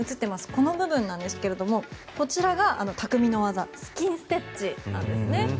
この部分なんですけどこちらが匠の技スキンステッチなんですね。